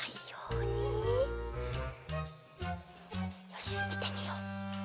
よしみてみよう。